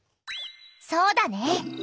そうだね。